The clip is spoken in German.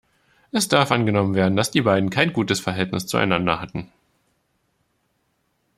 Es darf angenommen werden, dass die beiden kein gutes Verhältnis zueinander hatten.